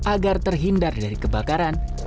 agar terhindar dari kebakaran